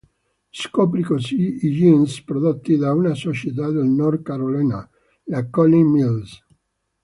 Scoprì così i jeans prodotti da una società del North Carolina, la Coney Mills.